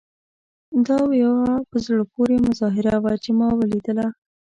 دا یوه په زړه پورې مظاهره وه چې ما ولیدله.